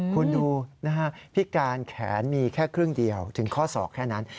คุณดูนะฮะพิการแขนมีแค่ครึ่งเดียวถึงข้อศอกแค่นั้น